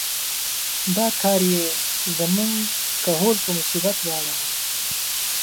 دا کار یې زموږ کهول په مصیبت واړاوه.